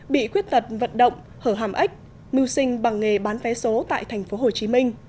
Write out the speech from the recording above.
bị quyết tật vận động hở hàm ếch mưu sinh bằng nghề bán vé số tại tp hcm